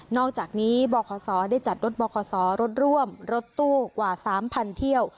อกจากนี้บขศได้จัดรถบขรถร่วมรถตู้กว่า๓๐๐เที่ยว